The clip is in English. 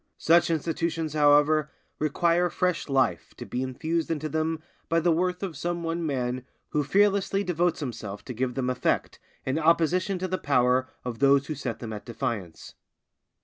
Such institutions, however, require fresh life to be infused into them by the worth of some one man who fearlessly devotes himself to give them effect in opposition to the power of those who set them at defiance.